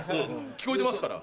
聞こえてますから。